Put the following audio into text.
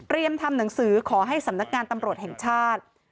ทำหนังสือขอให้สำนักงานตำรวจแห่งชาติ